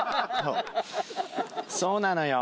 そうなのよ。